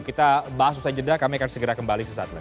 kita bahas ustaz jeddah kami akan segera kembali sesaat lain